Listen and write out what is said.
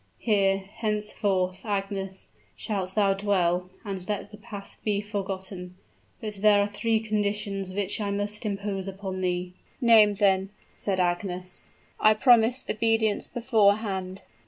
Here, henceforth, Agnes, shalt thou dwell; and let the past be forgotten. But there are three conditions which I must impose upon thee." "Name them," said Agnes; "I promise obedience beforehand."